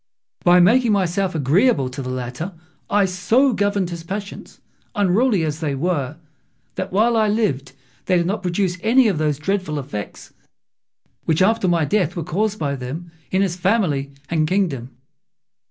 By making myself agreeable to the latter, I so governed his passions, unruly as they were, that while I lived they did not produce any of those dreadful effects which after my death were caused by them in his family and kingdom.